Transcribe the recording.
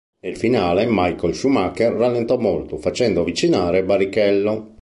Nel finale Michael Schumacher rallentò molto, facendo avvicinare Barrichello.